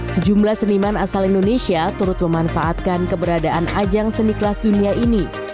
sejumlah seniman asal indonesia turut memanfaatkan keberadaan ajang seni kelas dunia ini